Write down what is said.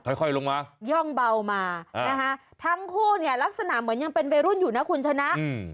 ค่อยลงมาย่องเบามานะคะทั้งคู่เนี่ยลักษณะเหมือนยังเป็นวัยรุ่นอยู่นะคุณชนะอืม